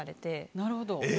なるほど。